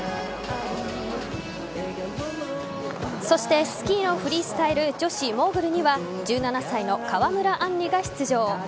そしてスキーのフリースタイル女子モーグルには１７歳の川村あんりが出場。